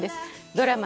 ドラマ